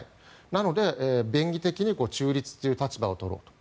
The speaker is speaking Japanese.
なので、便宜的に中立という立場を取ろうと。